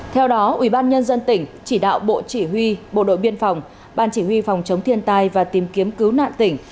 theo đó ubnd tỉnh chỉ đạo bộ chỉ huy bộ đội biên phòng ban chỉ huy phòng chống thiên tai và tìm kiếm cứu nạn tỉnh